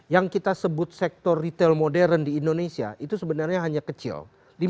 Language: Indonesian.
yang kita sebut sektor retail modern di indonesia itu sebenarnya hanya kecil